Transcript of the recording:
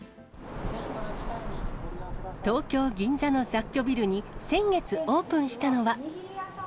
東京・銀座の雑居ビルに先月オープンしたのは。